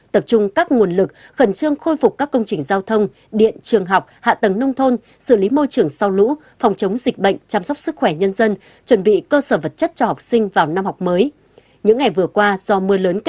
tập trung các nguồn lực khẩn trương khôi phục các công trình giao thông điện trường học hạ tầng nông thôn xử lý môi trường sau lũ phòng chống dịch bệnh chăm sóc sức khỏe nhân dân chuẩn bị cơ sở vật chất cho học sinh vào năm học mới